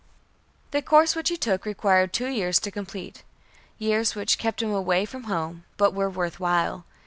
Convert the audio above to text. The course which he took required two years to complete years which kept him away from home, but were worth while.